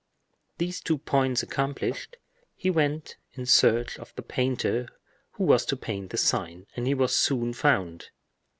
These two points accomplished, he went in search of the painter who was to paint the sign; and he was soon found.